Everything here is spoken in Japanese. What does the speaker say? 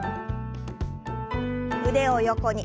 腕を横に。